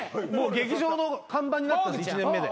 劇場の看板になった１年目で。